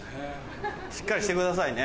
しっかりしてくださいね。